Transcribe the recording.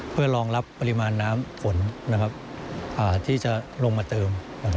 เพื่อรองรับปริมาณน้ำฝนที่จะลงมาเติม